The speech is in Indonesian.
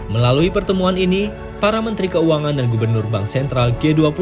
melalui pertemuan ini para menteri keuangan dan gubernur bank sentral g dua puluh